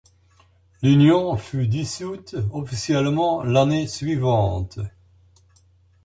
L'union fut dissoute officiellement l'année suivante.